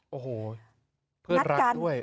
โอ้โหเพื่อนัดกันด้วย